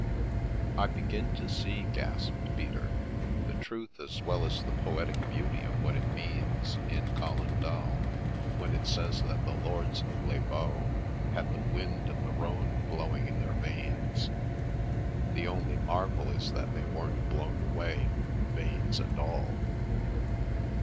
" I begin to see," gasped Peter, " the truth as well as the poetic beauty of what it means in ' Calendal ' when it says that the lords of Les Baux had the wind of the Rhone blowing in their veins. The only marvel is they weren't blown away, veins and all."